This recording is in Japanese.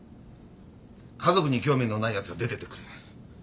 家族に興味のないやつは出てってくれ。